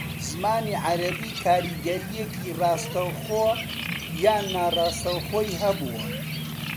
زمانی عەرەبی کاریگەرییەکی ڕاستەوخۆ یان ناڕاستەوخۆیی ھەبووە